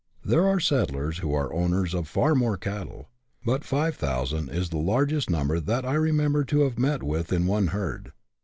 There are settlers who are owners of far more cattle, but 5000 is the largest number that I remember to have met with in one herd.